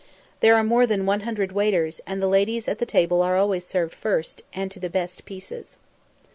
There are more than 100 waiters, and the ladies at table are always served first, and to the best pieces.